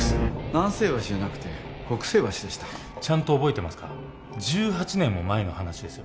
南星橋じゃなくて北星橋でしたちゃんと覚えてますか１８年も前の話ですよ？